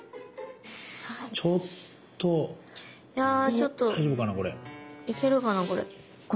ちょっと切れるかなこれ。